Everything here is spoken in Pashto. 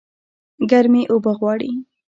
ګرمي اوبه غواړي